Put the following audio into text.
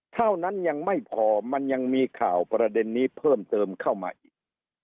เท่านั้นยังไม่พอมันยังมีข่าวประเด็นนี้เพิ่มเติมเข้ามาอีก